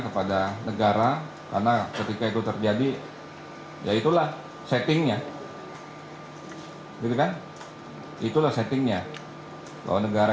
kepada negara karena ketika itu terjadi yaitulah settingnya gitu kan itulah settingnya bahwa negara